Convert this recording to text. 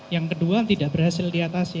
yang kedua tidak berhasil di atasi